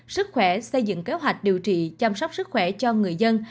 sức khỏe xây dựng kế hoạch điều trị chăm sóc sức khỏe cho người dân